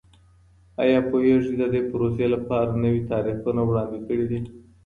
ایا پوهانو د دې پروسې لپاره نوي تعریفونه وړاندې کړي دي؟